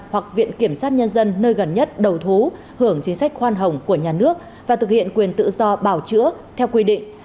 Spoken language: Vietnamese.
hoặc viện kiểm sát nhân dân nơi gần nhất đầu thú hưởng chính sách khoan hồng của nhà nước và thực hiện quyền tự do bảo chữa theo quy định